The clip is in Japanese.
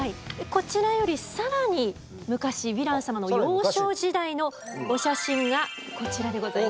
こちらより更に昔ヴィラン様の幼少時代のお写真がこちらでございます。